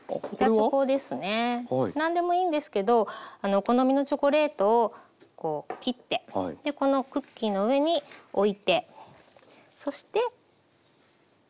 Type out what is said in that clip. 何でもいいんですけどお好みのチョコレートを切ってこのクッキーの上に置いてそして。